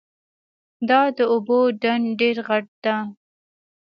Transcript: دا د اوبو ډنډ ډېر غټ ده